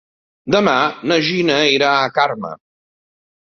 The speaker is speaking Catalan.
Demà na Gina irà a Carme.